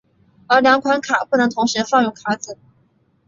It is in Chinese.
而两款卡不能同时放入卡组。